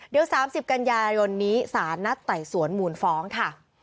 เดี๋ยว๓๐กันยายนนี้สารนัดไต่สวนมูลฟ้องค่ะ